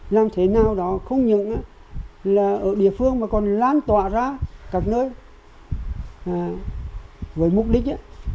làm thế nào đó không những là ở địa phương mà còn lan tỏa ra các nơi với mục đích